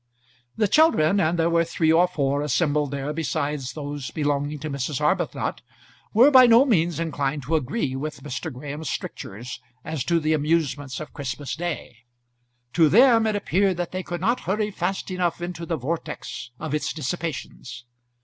The children, and there were three or four assembled there besides those belonging to Mrs. Arbuthnot, were by no means inclined to agree with Mr. Graham's strictures as to the amusements of Christmas day. To them it appeared that they could not hurry fast enough into the vortex of its dissipations.